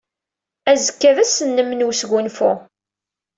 Azekka d ass-nnem n wesgunfu.